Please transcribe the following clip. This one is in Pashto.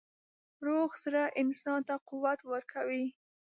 روغ زړه انسان ته قوت ورکوي.